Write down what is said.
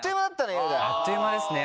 あっという間ですね